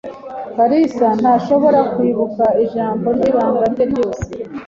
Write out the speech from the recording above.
karasira ntashobora kwibuka ijambo ryibanga rye ryose,